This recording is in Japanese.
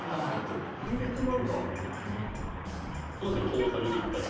トータルで言ったら。